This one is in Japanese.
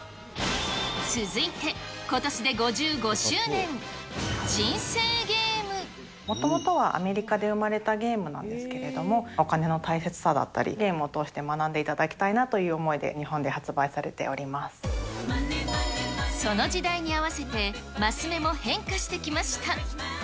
続いて、ことしで５５周年、もともとはアメリカで生まれたゲームなんですけれども、お金の大切さだったり、ゲームを通して学んでいただきたいなという思いで日本で発売されその時代に合わせて、マス目も変化してきました。